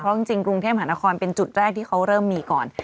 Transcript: จริงกรุงเทพหานครเป็นจุดแรกที่เขาเริ่มมีก่อน